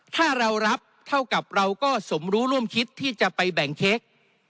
ถ้าเรารับเท่ากับเราก็สมรู้ร่วมคิดที่จะไปแบ่งเค้ก